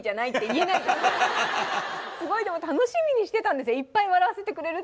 すごいでも楽しみにしてたんですよ。